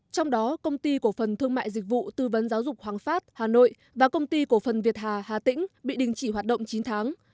trong đó công ty cổ phần thương mại dịch vụ tư vấn giáo dục hoàng phát hà nội và công ty cổ phần việt hà hà tĩnh bị đình chỉ hoạt động chín tháng